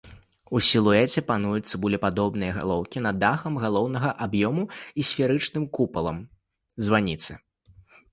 У сілуэце пануюць цыбулепадобныя галоўкі над дахам галоўнага аб'ёму і сферычным купалам званіцы.